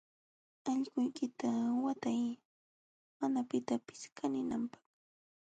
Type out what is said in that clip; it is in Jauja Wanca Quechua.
Allquykita watay mana pitapis kaninanpaq.